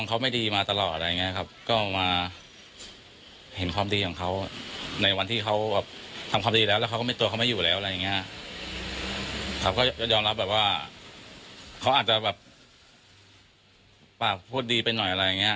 เขาอาจจะแบบฝักพวกดีไปหน่อยอะไรอย่างนี้